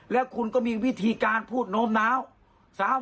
แล้วคุณก็มีวิธีการพูดโน้มน้าว